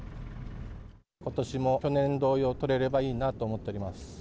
ことしも去年同様、取れればいいなと思っております。